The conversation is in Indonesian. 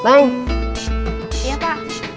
silahkan pesen apa